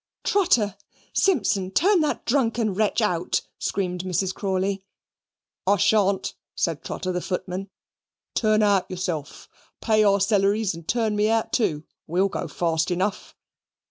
"Trotter! Simpson! turn that drunken wretch out," screamed Mrs. Crawley. "I shawn't," said Trotter the footman; "turn out yourself. Pay our selleries, and turn me out too. WE'LL go fast enough."